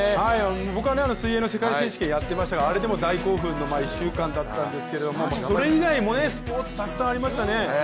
僕は水泳の世界選手権やってましたからあれでも大興奮の１週間だったんですけれども、それ以外にもスポーツいっぱいありましたね。